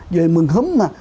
về mừng húm mà